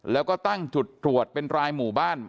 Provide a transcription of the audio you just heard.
แล้วก็ตั้งจุดตรวจเป็นรายหมู่บ้าน